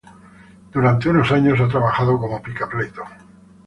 Durante unos años ha trabajado como abogado.